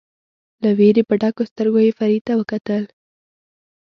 له وېرې په ډکو سترګو یې فرید ته وکتل.